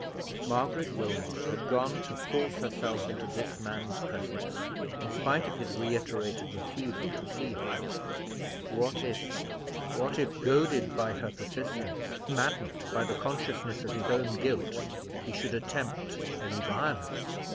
Margaret Wilmot had gone to force herself into this man's presence, in spite of his reiterated refusal to see her. What if—what if, goaded by her persistence, maddened by the consciousness of his own guilt, he should attempt any violence.